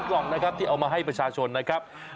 กล่องนะครับที่เอามาให้ประชาชนนะครับ